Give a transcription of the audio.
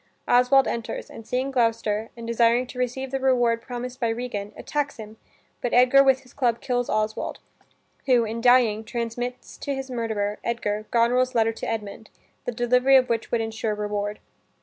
Oswald enters, and seeing Gloucester, and desiring to receive the reward promised by Regan, attacks him, but Edgar with his club kills Oswald, who, in dying, transmits to his murderer, Edgar, Goneril's letter to Edmund, the delivery of which would insure reward.